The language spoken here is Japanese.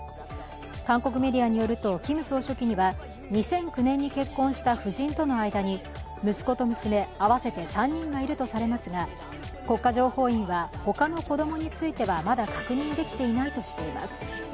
韓国メディアによるとキム総書記には２００９年に結婚した婦人との間に息子と娘、合わせて３人がいるとされますが国家情報院は他の子供についてはまだ確認できていないとしています。